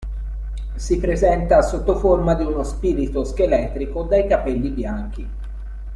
Si presenta sotto forma di uno spirito scheletrico dai capelli bianchi.